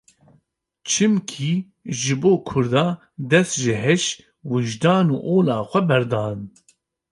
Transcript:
Çimkî ji bo Kurda dest ji heş, wijdan û ola xwe berdan.